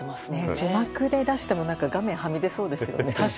字幕で出しても画面はみ出そうですよね。